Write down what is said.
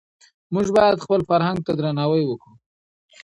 موږ باید خپل کلتور ته درناوی وکړو.